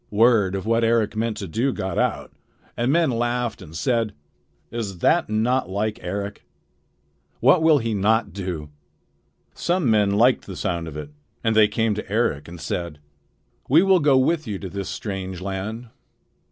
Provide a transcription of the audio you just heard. Word of what Eric meant to do got out, and men laughed and said: "Is that not like Eric? What will he not do?" Some men liked the sound of it, and they came to Eric and said: "We will go with you to this strange land."